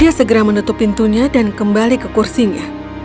ia segera menutup pintunya dan kembali ke kursinya